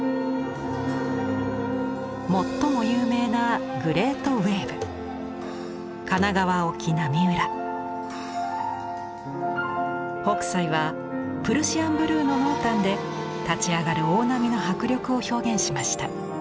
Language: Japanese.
最も有名なグレートウエーブ北斎はプルシアンブルーの濃淡で立ち上がる大波の迫力を表現しました。